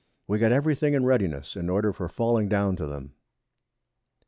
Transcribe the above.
We got every thing in Readiness, in order for falling down to them.